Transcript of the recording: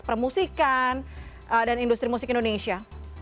permusikan dan industri musik indonesia